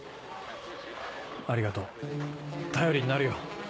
ありがとう頼りになるよ。